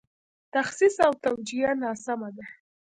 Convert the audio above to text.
تخصیص او توجیه ناسمه ده.